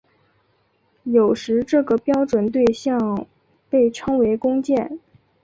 有时这个标准对像被称为工件。